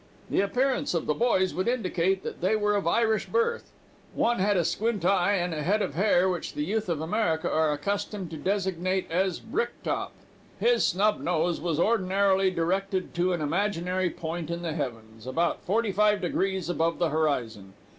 "The appearance of the boys would indicate that they were of Irish birth. One had a squint eye and a head of hair which the youth of America are accustomed to designate as 'brick top.' His snub nose was ordinarily directed to an imaginary point in the heavens, about forty five degrees above the horizon.